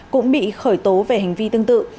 cũng bị khởi tố về hành vi tương tự